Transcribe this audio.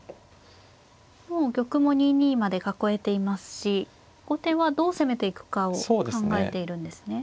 もう玉も２二まで囲えていますし後手はどう攻めていくかを考えているんですね。